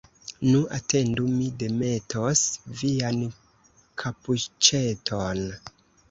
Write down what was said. Nu, atendu, mi demetos vian kapuĉeton!